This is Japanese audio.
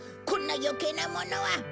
こんな余計なものは。